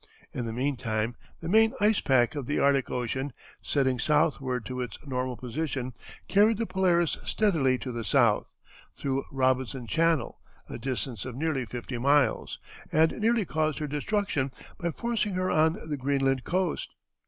In the meantime the main ice pack of the Arctic Ocean, setting southward to its normal position, carried the Polaris steadily to the south, through Robinson Channel, a distance of nearly fifty miles, and nearly caused her destruction by forcing her on the Greenland coast.